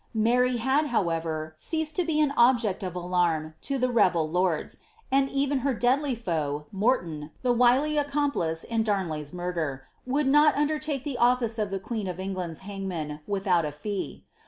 Miiry had, however, ceased to be an object of alarm to the rebel lonls ; and even her deadly foe, Morton, the wily accomplice in Darn ley"*s muriler, would not undertake the office of the queen of England's hangman without a fee.